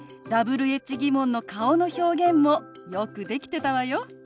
Ｗｈ−疑問の顔の表現もよくできてたわよ。